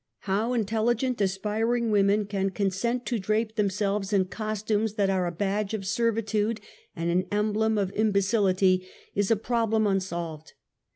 How intelligent aspiring women can consent to 96 UNMASKED. drape themselves in costumes that are a badge of servitude and an emblem of imbecility is a problem unsolved.